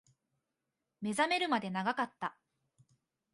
目覚めるまで長かった